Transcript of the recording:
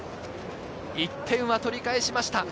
１点は取り返しました。